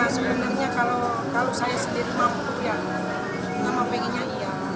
sebenarnya kalau saya sendiri mampu ya nama pengennya iya